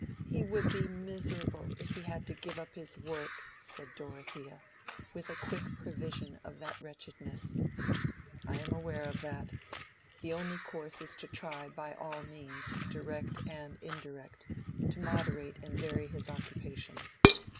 "He would be miserable, if he had to give up his work," said Dorothea, with a quick prevision of that wretchedness. "I am aware of that. The only course is to try by all means, direct and indirect, to moderate and vary his occupations.